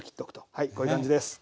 はいこういう感じです。